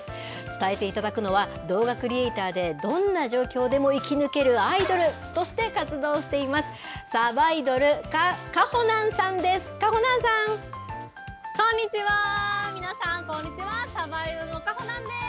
伝えていただくのは、動画クリエーターで、どんな状況でも生き抜けるアイドルとして活動しています、さばいどる、かほなんさんです。